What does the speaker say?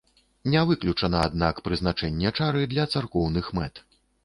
Не выключана, аднак, прызначэнне чары для царкоўных мэт.